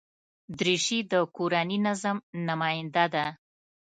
دریشي د کورني نظم نماینده ده.